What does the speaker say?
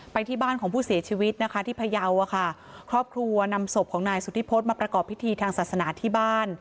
ไปที่บ้านของผู้เสียชีวิตนะคะที่พยาวอะค่ะครอบครัวนำศพของนายสุธิพฤษมาประกอบพิธีทางศาสนาที่บ้าน